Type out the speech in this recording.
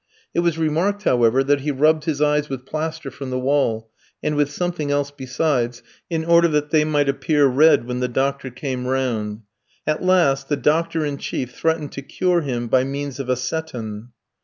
It was remarked, however, that he rubbed his eyes with plaster from the wall, and with something else besides, in order that they might appear red when the doctor came round; at last the doctor in chief threatened to cure him by means of a seton.